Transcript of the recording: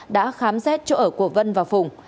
đã khám xét chỗ ở của vân và phùng